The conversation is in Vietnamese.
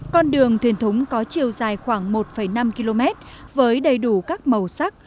con đường thuyền thúng có chiều dài khoảng một năm km với đầy đủ các màu sắc